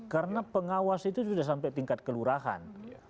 karena pengawas itu sudah sampai tingkat kelurahan